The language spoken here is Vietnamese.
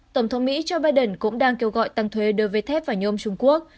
tổng thống mỹ joe biden cũng đang kêu gọi tăng thuế đưa về thép và nhôm trung quốc